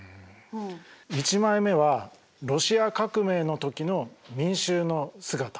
１枚目はロシア革命の時の民衆の姿。